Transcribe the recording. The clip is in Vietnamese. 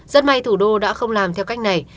rất may thủ đô đã không làm theo cách này